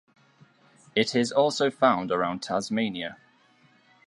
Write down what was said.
It is also found around Tasmania.